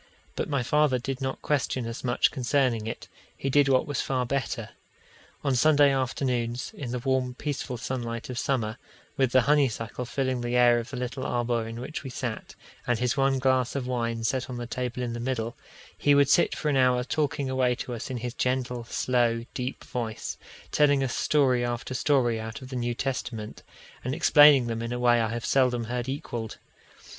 But my father did not question us much concerning it; he did what was far better. On Sunday afternoons, in the warm, peaceful sunlight of summer, with the honeysuckle filling the air of the little arbour in which we sat, and his one glass of wine set on the table in the middle, he would sit for an hour talking away to us in his gentle, slow, deep voice, telling us story after story out of the New Testament, and explaining them in a way I have seldom heard equalled.